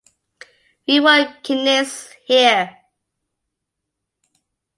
We want keenness here.